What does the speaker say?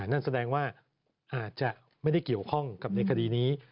นั่นแสดงว่าอาจจะไม่ได้เกี่ยวข้องกับในคดีนี้